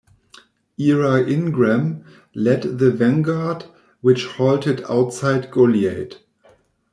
Ira Ingram led the vanguard, which halted outside Goliad.